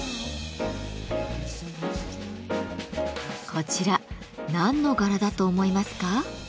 こちら何の柄だと思いますか？